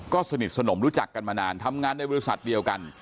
ก็สนิทสนมรู้จักกันมานานทำงานในบริษัทเดียวกัน